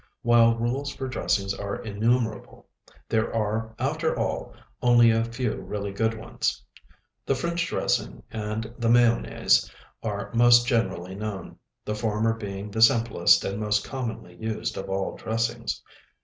While rules for dressings are innumerable, there are, after all, only a few really good ones. The French dressing and the mayonnaise are most generally known, the former being the simplest and most commonly used of all dressings.